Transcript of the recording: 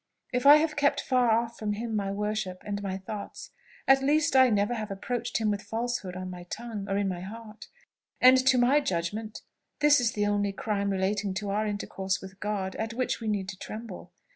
If I have kept far off from him my worship and my thoughts, at least I never have approached him with falsehood on my tongue or in my heart; and, to my judgment, this is the only crime relating to our intercourse with God at which we need to tremble.